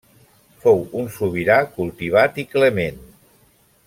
Fou un sobirà cultivat i clement.